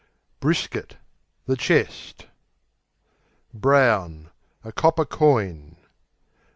Brisket The chest. Brown A copper coin.